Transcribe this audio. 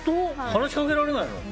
話しかけられないの？